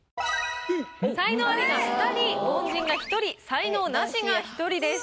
才能アリが２人凡人が１人才能ナシが１人です。